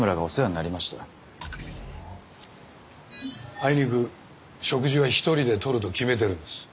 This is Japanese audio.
あいにく食事は一人でとると決めてるんです。